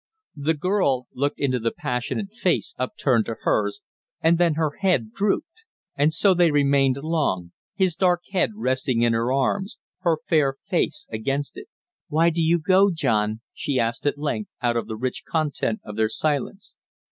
The girl looked into the passionate face upturned to hers, and then her head drooped. And so they remained long; his dark head resting in her arms; her fair face against it. "Why do you go, John?" she asked at length, out of the rich content of their silence.